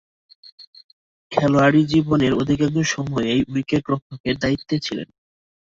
খেলোয়াড়ী জীবনের অধিকাংশ সময়েই উইকেট-রক্ষকের দায়িত্বে ছিলেন।